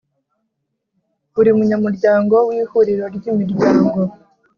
Buri munyamuryango w Ihuriro ry Imiryango